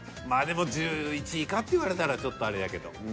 でも１１位かって言われたらちょっとあれやけど。